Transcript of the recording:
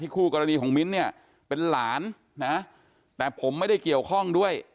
คู่กรณีของมิ้นเนี่ยเป็นหลานนะแต่ผมไม่ได้เกี่ยวข้องด้วย